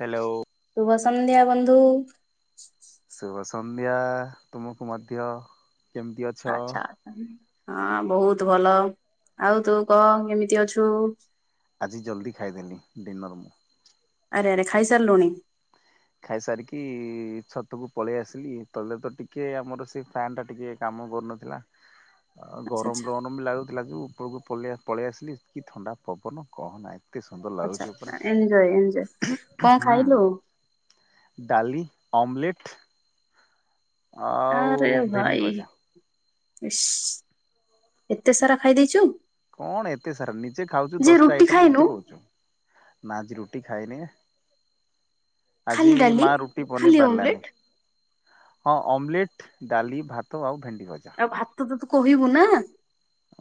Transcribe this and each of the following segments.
Hello. ଶୁଭ ସନ୍ଧ୍ୟା ବନ୍ଧୁ। ଶୁଭ ସନ୍ଧ୍ୟା ତୁମକୁ ମଧ୍ୟ। କେମିତି ଅଛ ଆଛା ହଁ ବହୁତ ଭଲ ଆଉ ତୁ କହ କେମିତି ଅଛୁ? ଆଜି ଜଲ୍ଦି ଖାଇଦେନି ଡିନର୍। ଆରେ ଆରେ ଖାଇ ସାରିଲୁଣି? ଖାଇ ସାରିକି ଛତକୁୁ ପଳେଇ ଆସିଲି ତଲେ ତ ଟିକେ ଆମର ସେ ଫ୍ୟାନ ଟା ଟିକେ କାମ କରୁନଥିଲା ଆଉ ଆଚ୍ଛା ଗରମ ଆଚ୍ଛା। ର ଲାଗୁଥିଲା ଯଉ ଉପରକୁ ପଲେ ପଳେଇ ଆସିଲି କି ଥଣ୍ଡା ପବନ କହନା। ଏତେ ସୁନ୍ଦର ଆଛା ଲାଗୁଛି ଉପରେ ଆଛା ଏନଞ୍ଜୟ ଏନଞ୍ଜୟ କଣ ହୁଁ ଖାଇଲୁ? ଡାଲି ଅମଲେଟ୍। ଆରେ ଭେଣ୍ଡି ଭାଇ ଭଜା। ଇସ ଏତେ ସାରା ଖାଇ ଦେଇଛୁ? କଣ ଏତେ ସାରା ନିଜେ ଖାଉଛୁ ଯେ ଦଶଟା ରୁଟି ଆଇଟମ ଖାଇନୁ ମତେ କହୁଛୁ ନା ଆଜି ରୁଟି ଖାଇନି। ଆଜି ଖାଲି ଡାଲି ମା ରୁଟି ବନେଇ ଖାଲି ଓମଲେଟ ପାରିଲାନି। ହଁ ଅମଲେଟ ଡାଲି ଭାତ ଆଉ ଭେଣ୍ଡି ଭଜା। ଆଉ ଭାତ ତ ତୁ କହିବୁ ନା।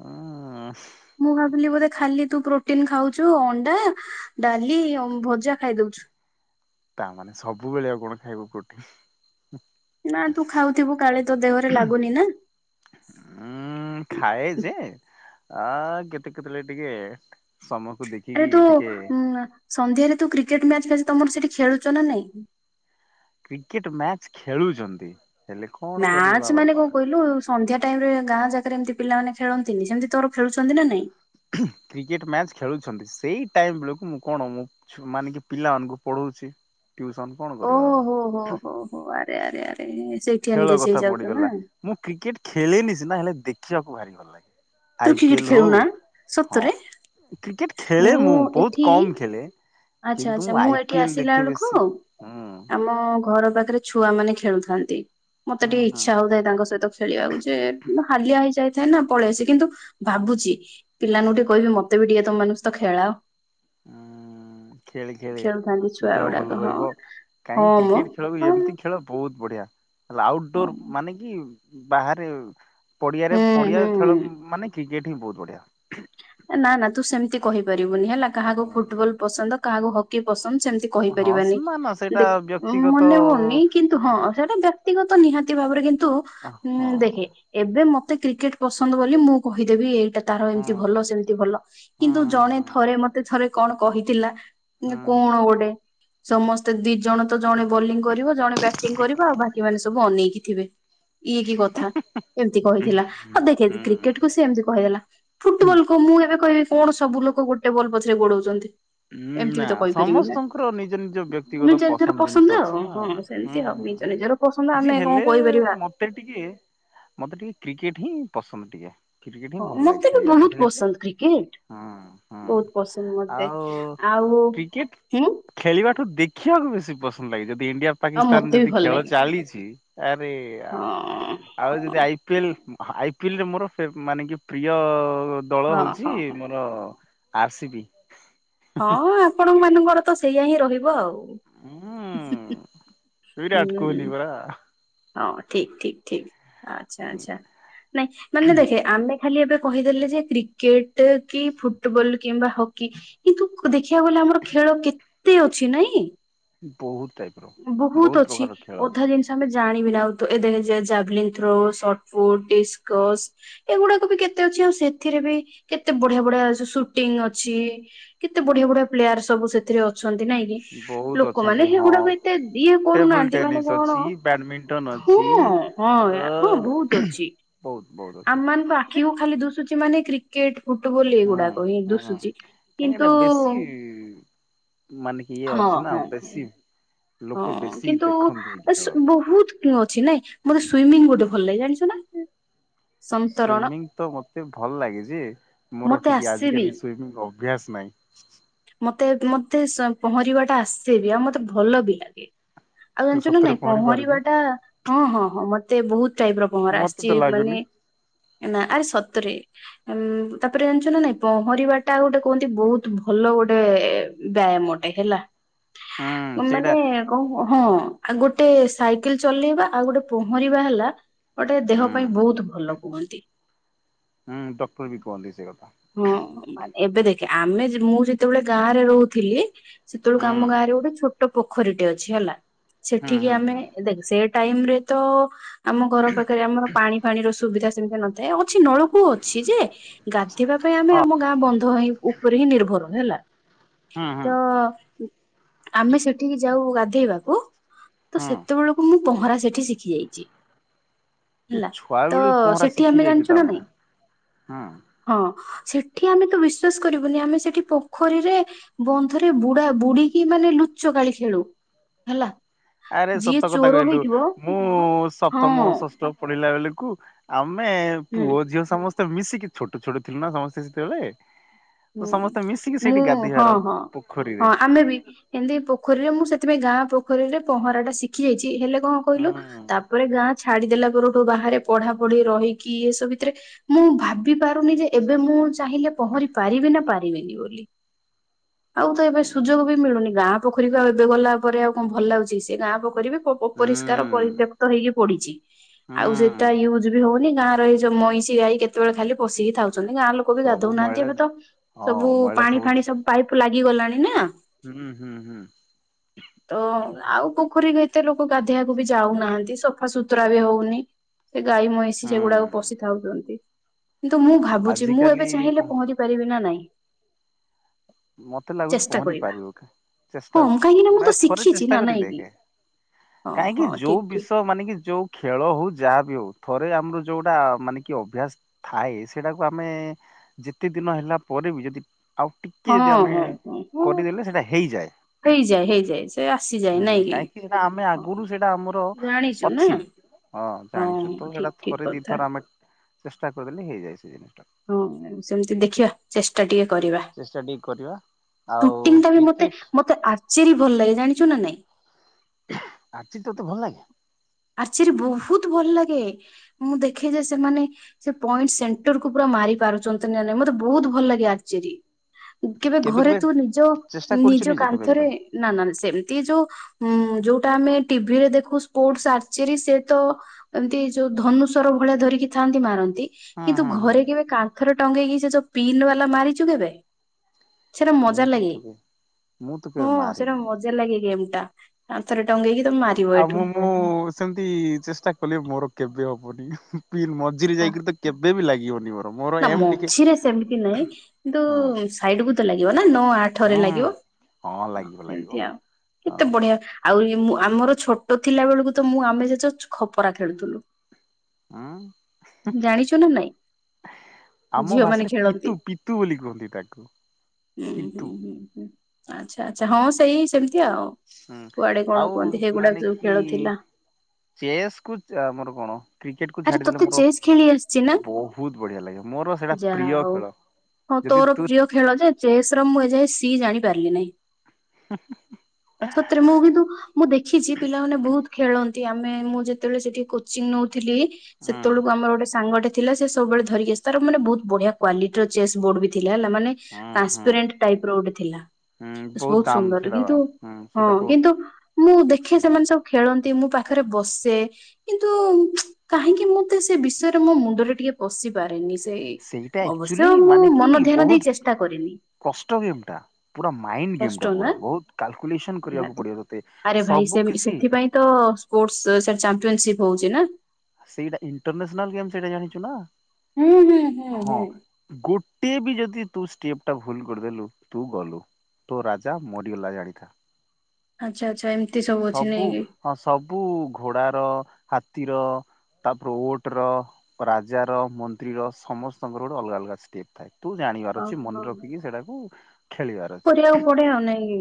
ଉଁହଁ ମୁଁ ଭାବିଲି ବୋଧେ ଖାଲି ତୁ ପ୍ରୋଟିନ ଖାଉଛୁ ଅଣ୍ଡା। ଡାଲି ଅମ ଭଜା ଖାଇ ଦଉଛୁ। ତାମାନେ ସବୁବେଳେ ଆଉ କଣ ଖାଇବୁ ପ୍ରୋଟିନ। ନା ତୁ ଖାଉଥିବୁ କାଳେ ତୋ ଆଜି ଦେହରେ ଲାଗୁନି ନା। ଉଁ ଖାଇ ଯେ ଆ କେତେ କେତଳେ ଟିକେ ସମକୁ ଆରେ ଦେଖିକି ତୁ ଟିକେ ଉଁ ସନ୍ଧ୍ୟାରେ ତୁ କ୍ରିକେଟ ମ୍ୟାଚ ତମର ସେଠି ଖେଳୁଛ ନା ନାଇଁ? କ୍ରିକେଟ ମ୍ୟାଚ ଖେଳୁଛନ୍ତି। ହେଲେ କଣ କରିବା ନାଚ ମାନେ ବାବା କଣ କହିଲୁ? ସନ୍ଧ୍ୟା ଟାଇମରେ ଗାଁ ଜାଗାରେ ଏମିତି ପିଲାମାନେ ଖେଳନ୍ତିନି ସେମିତି ତୋର ଖେଳୁଛନ୍ତି ନା ନାଇଁ? କ୍ରିକେଟ ମ୍ୟାଚ୍ ଖେଳୁଛନ୍ତି ସେଇ ଟାଇମ୍ ଲୋକଙ୍କୁ କଣ ମୁଁ ମାନେ କି ପିଲାମାନଙ୍କୁ ପଢଉଛି ଟ୍ୟୁସନ। ଓହୋ ହୋ ହୋ ହୋ ଆରେ ଆରେ ଆରେ ସେଇଠି ଖେଳ ଏନଗେଜ କଥା ହେଇଯାଉଛୁ ପଡିଗଲା ନା ମୁଁ କ୍ରିକେଟ ଖେଳିନି ସିନା ହେଲେ ଦେଖିବାକୁ ଭାରି ଭଲ ଲାଗେ। ତୁ ଆଇ ପି କ୍ରିକେଟ ଏଲ ହଉ ଖେଳୁନା ସତରେ ହଁ କ୍ରିକେଟ ଖେଳେ ମୁଁ ବହୁତ କମ ଖେଳେ। ଆଚ୍ଛା କିନ୍ତୁ ଆଚ୍ଛା ମୁଁ ଆଇ ଏଠି ପି ଏଲ ଆସିଲା ଦେଖେ ବେଳକୁ ବେଶୀ। ଆ ହୁଁ ଆମ ଘର ପାଖରେ ଛୁଆ ମାନେ ଖେଳୁଥାନ୍ତି ମତେ ହଁ ଟିକେ ହଁ ଇଚ୍ଛା ହଉଥାଏ ତାଙ୍କ ସହିତ ଖେଳିବାକୁ ଯେ ହାଲିଆ ହେଇ ଯାଇଥାଏ ନା ପଳେଇସି କିନ୍ତୁ ଭାବୁଛି ପିଲାଙ୍କୁ ହଁ। ଟିକି କହିବି ମତେ ବି ଟିକେ ତମ ମାନଙ୍କ ସହିତ ଖେଳାଅ। ହୁଁ ଖେଳି ଖେଳି ଖେଳୁଥାନ୍ତି ଛୁଆ ଦେହ ଭଲ ଗୁଡାକ ହଁ ରହିବ କାହିଁ ହଁ ମ କ୍ରିକେଟ ଖେଳବି ହଁ ଏମିତି ଖେଳ ବହୁତ ବଢିଆ। ହଁ ଆଉଟଡୋର ମାନେ କି ବାହାରେ ପଡିଆରେ ହୁଁ ପଡିଆ ଖେଳ ହୁଁ। ମାନେ କ୍ରିକେଟ ହିଁ ବହୁତ ବଢିଆ। ନା ନା ତୁ ସେମିତି କହିପାରିବୁନି ହେଲା କାହାକୁ ଫୁଟବଲ ପସନ୍ଦ କାହାକୁ ହକି ପସନ୍ଦ ସେମିତି ହଁ କହିପାରିବାନି ନା ନା ସେଇଟା ଦେଖ ବ୍ୟକ୍ତିଗତ ମନେ ହଉନି କିନ୍ତୁ ହଁ ସେଟା ଦା ବ୍ୟକ୍ତିଗତ ନିହାତି ଭାବରେ କିନ୍ତୁ ଉଁ ହଁ ଦେଖେ ଏବେ ମତେ କ୍ରିକେଟ ପସନ୍ଦ ବୋଲି ମୁଁ କହିଦେବି ଏଇଟା ତା ହଁ ଭଲ ସେମିତି ଭଲ, କିନ୍ତୁ ହଁ ଜଣେ ଥରେ ହଁ ମତେ ଥରେ କଣ କହିଥିଲା ନାଁ, କଣ ଗୋଟେ? ସମସ୍ତେ, ଦିଜଣ ତ ଜଣେ ବୋଲିଂ କରିବ ଜଣେ ବ୍ୟାଟିଂ କରିବ ଆଉ ବାକି ମାନେ ସବୁ ଅନେଇକି ଥିବେ। ଇଏ କି କଥା, ଏମିତି କହିଥିଲା, ଆଉ ଦେଖେ ହୁଁ। କ୍ରିକେଟ କୁ ସେ ଏମିତି କହିଦେଲା। ହୁଁ ଫୁଟବଲ କୁ, ମୁଁ ଏବେ କହିବି କଣ ସବୁ ଲୋକ ଗୋଟେ ବଲ ପଛରେ ଗୋଡଉଛନ୍ତି। ଉଁ, ଏମିତି ନା ବି ତ କହିପାରିବି ନା ସମସ୍ତଙ୍କର ନିଜ ନିଜ ବ୍ୟକ୍ତିଗତ ନିଜ ନିଜର ପସନ୍ଦ ଜିନିଷ ଅଛିନା ହଁ ଆଉ। ସେମିତି ଆଉ ହୁଁ। ନିଜ ନିଜର ପସନ୍ଦ ଯେ ଆମେ କଣ ହେଲେ, କହିପାରିବା ମତେ ଟିକେ, ମତେ ଟିକେ କ୍ରିକେଟହିଁ ପସନ୍ଦ ଟିକେ। କ୍ରିକେଟ ହିଁ ହଁ ଭଲ ଲାଗେ ମତେ ବି ଖେଳିବା ତ ବହୁତ ଖେଳିବା, ପସନ୍ଦ କ୍ରିକେଟ ପାଇଁ ହଁ ହଁ- ବହୁତ ପସନ୍ଦ ମତେ, ଆଉ ଆଉ, କ୍ରିକେଟ ହୁଁ ଖେଳିବାଠୁ ଦେଖିବାକୁ ବେଶୀ ପସନ୍ଦ ଲାଗେ, ଯଦି ଇଣ୍ଡିଆ ଆଉ ପାକିସ୍ତାନ ମତେ ବି ଯଦି ଭଲ ଖେଳ ଲାଗେ ଚାଲିଚି ଆରେ -ଆର୍। ହଁ ଆଉ ହଁ ଯଦି ଆଇପିଏଲ୍, ଆଇପିଏଲରେ ମୋର ଫେବ୍- ମାନେ ପ୍ରିୟ ଦଳ ହେଉଛି ହଁ ହଁ ହ-ଆର୍ ସି ବି। ହଁ, ଆପଣଙ୍କ ମାନଙ୍କର ତ ସେଇଆା ହିଁ ରହିବ ଆଉ। ହୁଁ ବିରାଟ ହୁଁ କୋହଲି, ବା। ହଁ, ଠିକ, ଠିକ, ଠିକ ଆଚ୍ଛା, ଆଚ୍ଛା ନାଇଁ ମାନେ ଦେଖେ, ଆମେ ଖାଲି ଏବେ କହିଦେଲେ ଯେ କ୍ରିକେଟ କି ଫୁଟବଲ କିମ୍ବା ହକି କିନ୍ତୁ ଦେଖିବାକୁ ଗଲେ ଆମର ଖେଳ କେତେ ଅଛି! ନାଇଁ? ବହୁତ ଟାଇପର, ବହୁତ ପ୍ରକାର ଖେଳ ଅଛି। ତମେ ଜାଣିବି ନାଁ ଏ ଦେ ଜାଭଲିନ ଥ୍ରୋ, ସଟଫୁଟ, ଡିସକସ ଏଗୁଡାକବି କେତେ ଅଛି, ଆଉ ସେଥିରେବି କେତେ ବଢିଆ ବଢିଆ ସୁ-ସୁଟିଂ ଅଛି କେତେ ବଢିଆ ବଢିଆ ପ୍ଲେୟାର ସବୁ ସେଥିରେ ଅଛନ୍ତି, ନାଇଁ କି? ବହୁତ ଅଛନ୍ତି ଲୋକମାନେ ହଁ ସେଗୁଡାକୁ ଏତେ ଦିଏ ଟେବୁଲ କରୁନାହାନ୍ତି, ମାନେ ଟେନିସ୍ କଣ? ଅଛି ବ୍ୟାଡମିଣ୍ଟନ ହୁଁ, ଅଛି। ହଁ, ଅ ହଁ ବହୁତ ଅଛି। ବହୁତ, ବହୁତ। ଉଚି ମାନେ କ୍ରି କ୍କେଟ ଫୁଟବଲ ହଁ ଏଗୁଡାକ ହିଁ ହଁ। ଦୁଶୁଛି। କାହିଁକି ଏଟା କିନ୍ତୁ ବେଶୀ ମାନେ, ଇଏ ହଁ ଅଛି ନା ହଁ ବେଶି। ହଁ, କିନ୍ତୁ ବାସ୍ ଖେଳକୁ। ବହୁତ ଅଛି, ନାଇଁ? ମତେ ସୁଇମିଙ୍ଗ ଗୋଟେ ଭଲ ଲାଗେ, ଜାଣିଛ ନା? ସନ୍ତରଣ ସୁଇମିଂତ ମତେ ଭଲ ଲାଗେ ଯେ ମୋର ମତେ ଟିକେ ଆସେ ବି। ଆଜିିକାଲି ସୁଇମିଂ ଅଭ୍ୟାସ ନାଇଁ। ମତେ ମତେ ସେ ପହଁରିବାଟା ଆସେବି, ଆଉ ମତେ ଭଲବି ଲାଗେ। ଆଉ ତୁ ଜାଣିଛୁ ସତରେ ନାନାଇଁ ପହଁରି ପାରୁ କି? ପହଁରିବାଟା ହଁ ହଁ ହଁ ମତେ ବହୁତ ଟାଇପର ପହଁରା ମତେ ତ ଆସିଛି, ମାନେ ଲାଗୁନି ନାଁ ଆରେ ସତରେ। ଉଁ ତାପରେ ଜାଣିଛନାନାଇଁ ପହଁରିବାଟା ଗୋଟେ କୁହନ୍ତି ବହୁତ ଭଲ ଗୋଟେ ବ୍ୟାୟାମଟେ ହେଲା। ହୁଁ, ମାନେ ସେଇଟା କଣ ହଁ, ଗୋଟେ ସାଇକେଲ ଚଲେଇବା ଆଉ ଗୋଟେ ପହଁରିବା ହେଲା ଗୋଟେ ହୁଁ ଦେହପାଇଁ ବହୁତ ଭଲ କୁହନ୍ତି। ହୁଁ, ଡକ୍ଟରବି କହନ୍ତି ସେକଥା। ହଁ, ମାନେ ଏବେଦେଖେ, ଆମେ ଯେ-ମୁଁ ଯେତେବେଳେ ଗାଁରେ ରହୁଥିଲି ହୁଁ ସେତେବେଳକୁ ଆମ ଗାଁରେ ଗୋଟେ ଛୋଟ ପୋଖରୀଟେ ଅଛି ହେଲା, ହୁଁ ସେଠିକି ହୁଁ ଆମେ, ହୁଁ ଦେଖ୍ ସେ ଟାଇମରେ ତ, ଆମ ଘର ପାଖରେ ଆମର ପାଣି ପାଣିର ସୁବିଧା ସେମିତି ନଥାଏ, ଅଛି ନଳକୂଅ ଅଛି ଯେ ପିଇବା ପାଇଁ ଆମେ ଆମ ଗାଁ ବନ୍ଧହିଁ ଉପରେ ହିଁ ନିର୍ଭର, ହେଲା। ହୁଁ ହୁଁ ତ-, ଆମେ ସେଠିକି ଯାଉ ଗାଧେଇବାକୁ, ତ ହୁଁ ସେତେବେଳ ମୁଁ ପହଁରା ସେଠି ଶିଖି ଯାଇଛି। ତୁ ହେଲା ଛୁଆ ତ ବେଳୁ ବି ପହଁରା ସେଠି ଶିଖି ଆମେ ଯାଇଛୁ ଜାଣିଛୁ ନା ନାଇଁ ତାମାନେ, ହୁଁ। ହଁ ସେଠି ଆମେ ତ ବିଶ୍ଵାସ କରିବୁନି ଆମେ ସେଠି ପୋଖରୀରେ ବନ୍ଧରେ ବୁଡା ବୁଡିକି ମାନେ ଲୁଚ କାଳି ଖେଳୁ ହେଲା। ଆରେ ଯିଏ ସତ କଥା ଚୋର କହିଲୁ ହେଇଥିବ ମୁଁ ହଁ ସପ୍ତମ ଷଷ୍ଠ ପଢିଲା ବେଳକୁ ଆମେ ହୁଁ ପୁଅ ଝିଅ ସମସ୍ତେ ମିଶିକି ଛୋଟ ଛୋଟ ଥିଲୁ ନା ସମସ୍ତେ ସେତେବେଳେ ତ ହୁଁ ସମସ୍ତେ ମିଶିକି ମୁଁ ସେଇଠି ହଁ ଗାଧୋଇବାର ହଁ ପୋଖରୀରେ ହଁ ଆମେ ବି ଏମିତି ପୋଖରୀରେ ମୁଁ ସେଥିପାଇଁ ଗାଁ ପୋଖରୀରେ ପହଁରା ଟା ଶିଖି ଯାଇଛି ହେଲେ କଣ କହିଲୁ ହୁଁ ତାପରେ ଗାଁ ଛାଡିଦେଲା ପରେଠୁ ବାହାରେ ପଢା ପଢି ରହିକି ଏସବୁ ଭିତରେ ମୁଁ ଭାବି ପାରୁନି ଯେ ଏବେ ମୁଁ ଚାହିଁଲେ ପହଁରିି ପାରିବେ ନା ପାରିବେନି ବୋଲି ଆଉ ତ ଏବେ ସୁଯୋଗ ବି ମିଳୁନି ଗାଁ ପୋଖରୀକୁ ଆଉ ଏବେ ଗଲା ପରେ ଆଉ କଣ ଭଲ ଲାଗୁଛି ସେ ଗାଁ ପଖରୀରେ ହୁଁ ପରିଷ୍କାର ପରିତ୍ୟକ୍ତ ହେଇକି ପଡିଛି ଆଉ ସେଟା ହୁଁ ୟଜ ବି ହଉ ଗାଁ ର ଏଇ ଯଉ ମଇଁଷି ଗଈ କେତେବେଳେ ଖାଲି ପଶିକି ଥାଛନ୍ତିାଁର ଲୋକ ବି ସବୁ ଗାଧଉନାହାନ୍ତି ମହିଳା ଏବେ ତ ହଁ ସବୁ ମହିଳା ପାଣି ଫାଣି ସବୁ ପାଇପ୍ ଲାଗିଗଲାଣି ନା ହୁଁ ହୁଁ ହୁଁ। ତ ଆଉ ପୋଖରୀକୁ ଏତେ ଲୋକ ଗାଧେଇବାକୁ ବି ଯାଉନାହାନ୍ତି ସଫାସୁତୁରା ବି ହଉନି ସେ ଗାଈ ମଇଁଷି ସେଗୁଡାକୁ ପଶିଥାଉଛନ୍ତି କିନ୍ତୁ ମୁଁ ଭାବୁଛି ମୁଁ ଆଜିକାଲି ଏବେ ଚାହିଁଲେ ପ ପହଁରି ପାରିବି ନା ନାଇଁ? ମତେ ଲାଗୁଚ ଚେଷ୍ଟା ପହଁରି କରିବା ପାରିବ କି? ଚେଷ୍ଟା ହଁ କାହିଁକି ନା ମୁଁ ମାନେ ତ ଥରେ ଶିଖିଛି ଚେଷ୍ଟା ନା କରିକି ନାଇଁ କିି? ଦେଖେ। କାହିଁକି ଯୋଉ ବିଷ ମାନେ କି ଯୋଉ ଖେଳ ହଉ ଯାହାବି ହଉ ଥରେ ଆମର ଯୋଉଟା ମାନେ କି ଅଭ୍ୟାସ ଥାଏ ସେଟାକୁ ଆମେ ଯେତେ ଦିନ ହେଲା ପରେ ବି ଯଦି ଆଉ ଟିକେ ହଁ କି ଯଦି ଆମେ ହଁ ହଁ ହଁ କରିଦେଲେ ସେଇଟା ହେଇଯାଏ। ହେଇଯାଏ ହେଇଯାଏ ସେ ଆସିଯାଏ ନାଇଁ ହୁଁ କି କାହିଁକି ସେଟା ଆମେ ହଁ। ଆଗରୁ ସେଇଟା ଆମର ଜାଣିଛୁ ନା ଅଛି। ହଁ ଜାଣିଛୁ ତ ଠିକ ସେଇଟା ଠିକ ଥରେ ଦି କଥା ଥର ଆମେ ଚେଷ୍ଟା କରିଦେଲେ ହେଇଯାଏ ସେ ଜିନିଷ। ହଁ ସେମତି ଦେଖିବା ଚେଷ୍ଟା ଟିକେ କରିବା। ଚେଷ୍ଟା ଟିକେ କରିବା ଆଉ ସୁଟିଂ ଟା ବି ମତେ କ୍ରିକେଟ ମତେ ଆଚେରରି ଭଲ ଲାଗେ ଜାଣିଛୁ ନା ନାଇଁ ଆଛି ତତେ ଭଲ ଲାଗେ! ଆର୍ଚିରି ବହୁତ ଭଲ ଲାଗେ! ମୁଁ ଦେଖେ ଯେ ସେମାନେ ସେ ପଏଣ୍ଟ ସେଣ୍ଟର ପୁରା ମାର ପାରୁଛନ୍ତି ନା ନାଇଁ ମତେ ବହୁତ ଭଲ ଲାଗେ ଆରଚେରି। କେବେ ଘରେ ତୁ ନିଜ ଚେଷ୍ଟା କରୁଛୁ ନିଜ ନିଜେ କେବେ କାନ୍ଥରେ କେବେ ନା ନା ସେମିତି ଯୋଉ ହୁଁ ଯୋଉଟା ଆମେ ଟିଭିରେ ଦେଖୁ ସ୍ପୋର୍ଟଚରୀ ସେ ତ ଏମିତି ଯୋଉ ଧନୁ ସର ଭଳିଆ ଧରିକି ଥାଆନ୍ତି ମାରନ୍ତି ହଁ କିନ୍ତୁ ହଁ। ହଁ ଘରେ କେବେ କାନ୍ଥରେ ଟଙ୍ଗେଇକି ସେ ଯୋଉ ପିନ୍ ବାଲା ମାରିଛୁ କେବେ? ସେଟା ମୁଁ ମଜା ତ ଲାଗେ କେବେ ମୁଁ ତ କେବେ ମାରିନି। ଲଗ ଉମଟା ଆଥର ଟଙ୍ଗ କିି ତାରି ଆଉ ମୁଁ ମୁଁ ସେମିତି ଚେଷ୍ଟା କଲି ମୋର କେବେ ହବନି ମଝିରେ ଯାଇକରି ତ କେବେ ବି ଲାଗିବନି ମ ନା ମଝିରେ ସେମିତି ନାହିଁ କିନ୍ତୁ ହଁ ସାଇଡ କୁ ତ ଲାଗିବ ନା ନଅ ଆଠରେ ହୁଁ ହୁଁ ଲାଗିବ। ହଁ ଲାଗିବ ଲାଗିବ ସେମିତି ଆଉ ହଁ କେତେ ବଢିଆ ଆଉ ଆମର ଛୋଟ ଥିଲା ବେଳକୁ ତ ମୁଁ ଆମେ ଯେ ଖପରା ଖେଳୁଥିଲୁ। ହୁଁ ଜାଣିଛୁ ନା ନାଇଁ? ଆମ ଝିଅ ମାନେ ଭାଷାରେ ଖେଳନ୍ତି ପିତୁ ପିତୁ ବୋଲି କୁହନ୍ତି ତାକୁ ହୁଁ ହୁଁ ପିତୁ! ହୁଁ ହୁଁ। ଆଚ୍ଛା ଆଚ୍ଛା ହଁ ସେଇ ସେମିତି ଆଉ। ହୁଁ କୁଆଡେ କଣ ଆଉ କୁହନ୍ତି ସେଗୁଡା ମାନେ ଯୋଉ କି ଖେଳୁଥିଲା। ଚେସ୍ କ ଆମର କଣ କ୍ରିକେଟ କୁ ଆରେ ଛାଡିଦେଲେ, ତୋତେ ମୋର ଚେସ୍ ଖେଳି ଆସିଛି ନା ବହୁତ ବଢିଆ ଲାଗେ ମୋର ସେଇଟା ଯାହା ପ୍ରିୟ ହଉ। ଖେଳ। ହଁ ଯଦି ତୋର ତୁ ପ୍ରିୟ ଖେଳ ଯେ, ଚେସ ର ମୁଁ ଏଯାଏ ସି ଜାଣିପାରିଲି ନାହିଁ। [inaudible] ସତରେ ମୁ କିନ୍ତୁ ମୁଁ ଦେଖିଛି ପିଲାମାନେ ବହୁତ ଖେଳନ୍ତି ଆମେ ମୁଁ ଯେତେବେଳେ ସେଠି କୋଚିଂ ନଉ ଥିଲି ହୁଁ ସେତେବେଳକୁ ଆମର ଗୋଟେ ସାଙ୍ଗଟେ ଥିଲା ସେ ସବୁବେଳେ ଧରିକି ଆସେ, ତାର ମାନେ ବହୁତ ବଢିଆ କ୍ୱାଲିଟି ର ଚେସ୍ ବୋର୍ଡ ବି ଥିଲା ହେଲା ମାନେ ହୁଁ ହୁଁ ଟ୍ରାନ୍ସପେରେଣ୍ଟ ଟାଇପ ର ଗୋଟେ ଥିଲା। ହୁଁ ବହୁତ ଦାମ ସୁନ୍ଦର ସେଇଟା କିନ୍ତୁ ହୁଁ ହଁ ସେଇଟା ବହୁତ କିନ୍ତୁ ମୁଁ ଦେଖେ ଏକ୍ସପେନ୍ସ ସେମାନେ ସବୁ ଖେଳନ୍ତି, ମୁଁ ପାଖରେ ବସେ କିନ୍ତୁ କାହିଁକି ମତେ ସେ ବିଷୟରେ ମୋ ମୁଣ୍ଡରେ ଟିକେ ପଶିପାରେନି, ସେଇ ସେଇଟା ଆକ୍ଚୁଆଲି ଅବଶ୍ୟ ମୁଁ ମାନେ କି ମନ ଧ୍ୟାନ ଦେଇ ବହୁତ ଚେଷ୍ଟା କରିନି। କଷ୍ଟ ଗେମ୍ ଟା ପୁରା ମାଇଣ୍ଡ ଗେମ୍ କଷ୍ଟ ଟା ନା ପୁରା ବହୁତ କାଲକୁଲେସନ ନିହାତି କରିବାକୁ ପଡିବ ତ ତେ ଆରେ ଭାଇ ସେ ସବୁ କିଛି ସେଥିପାଇଁ ତ ସ୍ପୋର୍ଟ ସେ ଚାମ୍ପିଅନସିପ ହଉଛି ନା। ସେଇଟା ଇଣ୍ଟରନେସନାଲ ଗେମ୍ ସେଇଟା ଜାଣିଛୁ ନା, ହୁଁ ହୁଁ ହୁଁ ହଁ ହୁଁ। ଗୋ ଗୋଟେ ବି ଯଦି ତୁ ଷ୍ଟେପ ଟା ଭୁଲ କରିଦେଲୁ ତୁ ଗଲୁ ତୋ ରାଜା ମରିଗଲା ଜାଣିଥା। ଆଛା ଆଛା ଏମ ସବୁ ହଁ ସବୁ ଘୋଡ଼ାର ହାତୀର ତାପରେ ଓଟ ର ରାଜା ର ମନ୍ତ୍ରୀର ସମସ୍ତଙ୍କର ଗୋଟେ ଅଲଗା ଅଲଗା ଷ୍ଟେପ୍ ଥାଏ। ତୁ ଜାଣିବାର ଅଛି ଓହୋ। ମନେ ରଖିକି ସେଡାକୁ କରିବାକୁ ପଡେ ଆଉ ନାଇଁ କି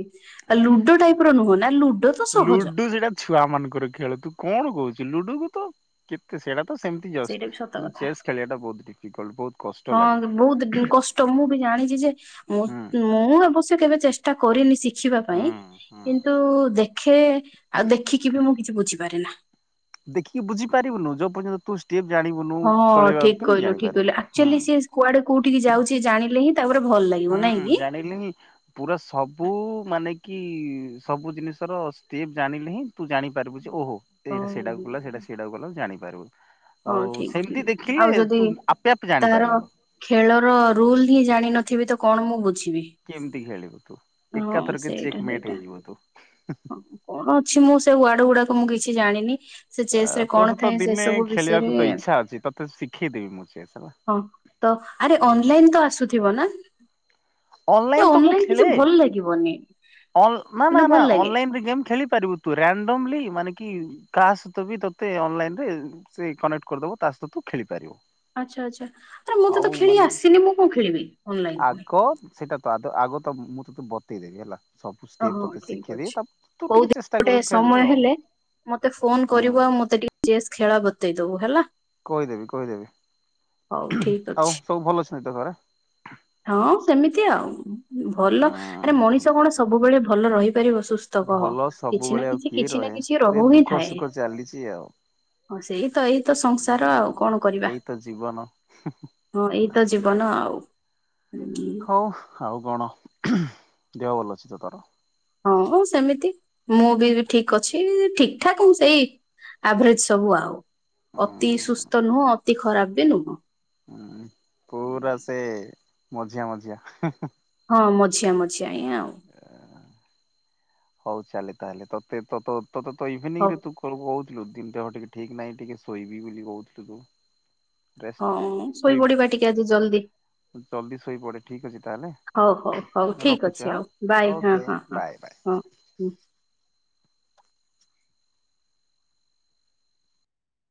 ଆ ଲୁଡୋ ଟାଇପ ର ନୁହଁ ନା ଲୁଡୋ ତ ସହଜ। ଲୁଡୁ ସେଇଟା ଛୁଆ ମାନଙ୍କର ଖେଳ ତୁ କଣ କହୁଛୁ ଲୁଡୁ କୁ ତ କେତେ ସେଇଟା ତ ସେମତି ସେଇଟା ବି ସତ କଥା ଡିଫିକଲ୍ଟ ବହୁତ କଷ୍ଟ ହଁ ଲାଗେ। ତ ବହୁତ କଷ୍ଟ ମୁଁ ବି ଜାଣିଚି ଯେ ମୁଁ ହୁଁ ମୁଁ ଆବଶ୍ୟ କେବେ ଚେଷ୍ଟା କରିନି ଶି ଖିବା ହୁଁ ପାଇଁ ହୁଁ। କିନ୍ତୁ ଦେଖେ ଆଉ ଦେଖିକି ବି ମୁଁ କିଛି ବୁଝିପାରେ ନା। ଦେଖିକି ବୁଝିପାରିବୁନୁ ଯୋଉ ପର୍ଯ୍ୟନ୍ତ ତୁ ଷ୍ଟେପ ଜାଣିବୁନୁ ହଁ ଚଳେଇବା ଠିକ କେମିତି କହିଲୁ ଠିକ କହିଲୁ ଜାଣିପାରିବୁୁ ହୁଁ। ଆକ୍ଚୁଆଲି ସିଏ କୁଆଡେ କୋଉଠିକି ଯାଉଚି ଜାଣିଲେ ହିଁ ତାପରେ ଭଲ ଲାଗ ହୁଁ ଜାଣିଲେ ହିଁ ପୁରା ସବୁ ମାନେ କି ସବୁ ଜିନିଷର ଷ୍ଟେପ୍ ଜାଣିଲେ ହିଁ ତୁ ଜାଣି ପାରିବୁ ଯେ ଓହ ଏଇଟା ହଉ ସେଟାକୁ କଲା ସେଟା ସେଇଟା କୁ ଗଲା ଜାଣିପାରିବୁ। ହଁ ଆଉ ଠିକ ସେମିତି ଠିକ, ଦେଖିଲେ ଆଉ ତୁ ଯଦି ଆପେ ଆପେ ତାର ଜାଣିପାରିବୁନୁ ଖେଳର ରୁଲ ହିଁ ଜାଣିନଥିବି ତ କଣ ମୁଁ ବୁଝିବି। କେମିତି ଖେଳିବୁ ତୁ ହଁ ଏକାଥରକେ ସେଇଟା ଚେକ୍ ମେଟ ସେଇଟା ହେଇଯିବ ତୁ। ହଁ କଣ ଅଛି ମୁଁ ସେ ୱାର୍ଡ ଗୁଡାକ ମୁଁ କିଛି ଜାଣିନି ସେ ଆ ଚେସ୍ ରେ ତୋ କଣ ସହିତ ଥାଏ ସେ ଦିନେ ସବୁ ବିଷ ତରେ ଖେଳିବାକୁ ତ ଇଚ୍ଛା ଅଛି ତତେ ଶିଖେଇଦେବି ମୁଁ ଚେସ୍ ହେଲା। ହଁ ତ ଆରେ ହୁଁ ଅନଲାଇନ ତ ଆସୁ ଥିବ ନା ତ ମୁଁ ଅନଲାଇନ କିଛି ଖେଳେ। ଭଲ ଲାଗିବନି। ଅନ୍ ନା ନା ମାନେ ଭଲ ନା ଲାଗେ ଅନଲାଇନ ରେ ଗେମ୍ ଖେଳି ପାରିବୁ। ତୁ [unintelligible] ମାନେ କି କା ସହିତ ବି ତତେ ଅନ୍ଲାଇନରେ ସେ କନେକ୍ଟ କରିଦବ ତା ସହିତ ତୁ ଖେଳି ପାରିବୁ। ଆଛା ଆଛା ଆରେ ମୁଁତ ତ ଖେଳି ଆସେନି ମୁଁ କଣ ଖେଳିବି ଅନଲାଇନ ପୁଣି। ଆଗ ସେଇଟା ତ ଆଦ ଆଗ ତ ମୁଁ ତ ତତେ ବତେଇ ଦେବି ହେଲା। ସବୁ ଓ ଷ୍ଟେପ୍ ହଁ ତୋତେ ଠିକ ଶିଖେଇଦେବି ଅଛି, ତାପ ତୁ ଟିକେ କୋଉଦିନ ଚେଷ୍ଟା ଗୋଟେ କରିବୁ ଖେଳିବୁ ସମୟ ଆଉ ହେଲେ ମତେ ଫୋନ ହୁଁ। କରିବୁ ଆଉ ମତେ ଟିକେ ଚେସ୍ ଖେଳ ବତେଇଦବୁ ହେଲା। କହିଦେବି କହିଦେବି। ହଉ ଠିକ ଆଉ ଅଛି। ସବୁ ଭଲ ଅଛନ୍ତି ତ ଘରେ? ହଁ ସେମିତି ଆଉ ଭଲ ଉଁ ଆରେ ହୁଁ ହୁଁ ମଣିଷ କଣ ସବୁବେଳେ ଭଲ ରହିପାରିବ ସୁସ୍ ସ୍ଥ କହ ଭଲ କିଛି ନା ସବୁବେଳେ ଆଉ କିଛି କିଏ କିଛି ନା ରହେ। କିଛି ଏ ରହୁ ହିଁ ଦୁଃଖ ଥାଏ। ସୁଖ ଚାଲିଛି ଆଉ। ହଁ ସେଇ ତ ଏଇତ ହୁଁ ସଂସାର ଆଉ କଣ କରିବା ଏଇ ତ ଜୀବନ ହଁ ଏଇତ ଜୀବ ବନ ଆଉ। ହଉ ଆଉ କଣ ଦେହ ଭଲ ଅଛି ତ ତୋର? ହଁ ସେମିତି ମୁଁ ବି ଠିକ ଅଛି ଠିକ ଠାକ ହ ସେଇ ଆଭରେଜ ସବୁ ଆଉ ଉଁ ଅତି ସୁସ୍ଥ ନୁହଁ ଅତି ଖରାପ ବି ନୁହଁ। କୋଉରା ସେ ମଝିଆ ମଝିଆ। [inaudible] ହଁ ମଝିଆ ମଝିଆ ହିଁ ଆଉ। ହଉ ଚାଲେ ତାହେଲେ ତତେ ତତ ତୋତେ ତ ଇଭିନିଂ ରେ ତୁ ତର କହୁଥିଲୁ ଦିନଟା ଟିକେ ଠିକ ନାହିଁ ଟିକେ ଶୋଇବି ବୋଲି କହୁଥିଲୁ ତୁ। ରେଷ୍ଟ ହଁ ଶୋଇବୁ ଶୋଇପଡିବା କି ଟିକେ ଆଜି ଜଲ୍ଦି। ଜଲ୍ଦି ଶୋଇପଡେ ଠିକ ଅଛି ହଉ ହଉ ହଉ ତାହେଲେ ଠିକ ରଖୁଛି ଅଛି ହଁ ଆଉ ବାଏ ହଁ ଓକେ ହଁ ହଁ ବାଏ ବାଏ। ହଁ। ହୁଁ।